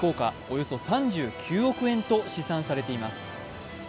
およそ３９億円と試算されています。